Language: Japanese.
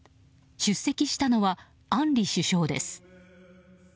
出席したのはアンリ首相です。